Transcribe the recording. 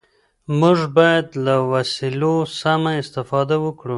موږ بايد له وسيلو سمه استفاده وکړو.